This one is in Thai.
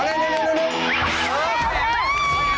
เร็วเร็วเร็ว